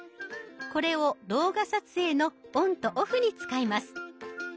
これを動画撮影のオンとオフに使います。